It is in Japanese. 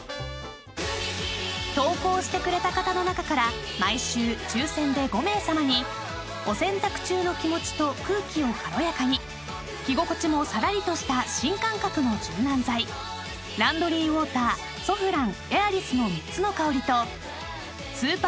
［投稿してくれた方の中から毎週抽選で５名さまにお洗濯中の気持ちと空気を軽やかに着心地もさらりとした新感覚の柔軟剤ランドリーウォーターソフランＡｉｒｉｓの３つの香りとスーパーＮＡＮＯＸ